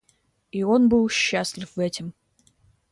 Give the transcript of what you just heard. И он был счастлив этим.